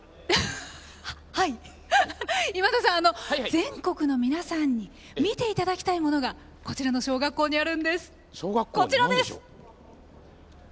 全国の皆さんに見ていただきたいものがこちらの小学校にあるんです。